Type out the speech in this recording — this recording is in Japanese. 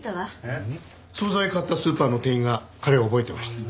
えっ？総菜を買ったスーパーの店員が彼を覚えてました。